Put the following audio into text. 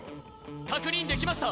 確認できました。